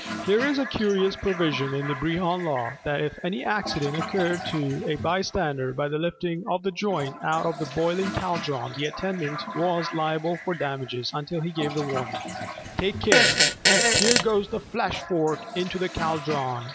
There is a curious provision in the Brehon Law that if any accident occurred to a bystander by the lifting of the joint out of the boiling caldron, the attendant was liable for damages unless he gave the warning: "Take care: here goes the fleshfork into the caldron!"